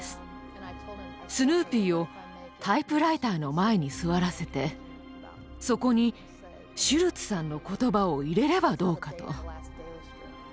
スヌーピーをタイプライターの前に座らせてそこにシュルツさんの言葉を入れればどうかと。